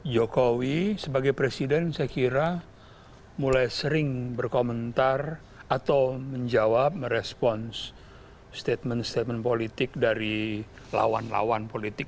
jokowi sebagai presiden saya kira mulai sering berkomentar atau menjawab merespons statement statement politik dari lawan lawan politik